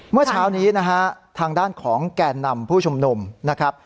เมื่อเช้านี้นะฮะทางด้านของแก่นำผู้ชุมนุมนะครับ